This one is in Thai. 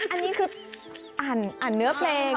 อันนี้คืออ่านเนื้อเพลง